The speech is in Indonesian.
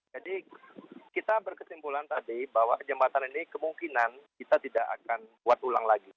jadi kita berkesimpulan tadi bahwa jembatan ini kemungkinan kita tidak akan buat ulang lagi